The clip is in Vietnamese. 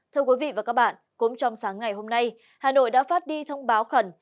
thưa quý vị và các bạn cũng trong sáng ngày hôm nay hà nội đã phát đi thông báo khẩn